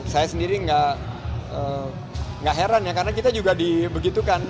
saya sendiri nggak heran ya karena kita juga dibegitukan